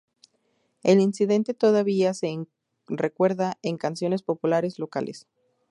El incidente todavía se recuerda en canciones populares locales.